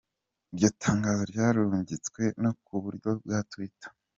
Iryo tangazo ryarungitswe no ku buryo bwa Twitter.